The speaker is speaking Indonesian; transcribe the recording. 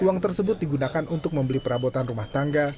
uang tersebut digunakan untuk membeli perabotan rumah tangga